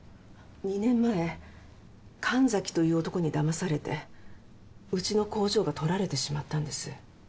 ２年前神崎という男にだまされてうちの工場が取られてしまったんです。